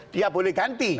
dia boleh ganti